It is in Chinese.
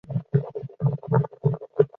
治所在宜盛县。